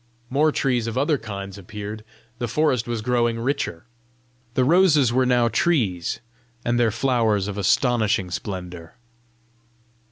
More trees of other kinds appeared; the forest was growing richer! The roses wore now trees, and their flowers of astonishing splendour.